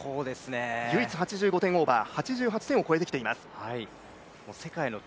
唯一８５点オーバー、８８点を超えてきています。